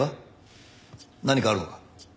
何かあるのか？